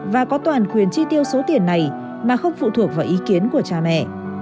và có toàn quyền chi tiêu số tiền này mà không phụ thuộc vào ý kiến của cha mẹ